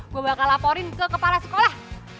gue bakal laporin ke kepala sekolah